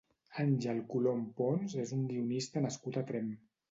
Àngel Colom Pons és un guionista nascut a Tremp.